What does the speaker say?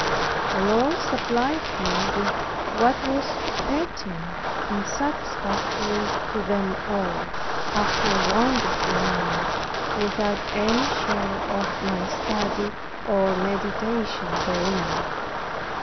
The Lord supplied me with what was pertinent and satisfactory to them all, after a wonderful manner, without any share of my study or meditation therein.